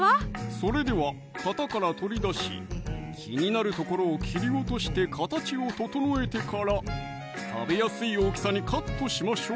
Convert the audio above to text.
それでは型から取り出し気になるところを切り落として形を整えてから食べやすい大きさにカットしましょう！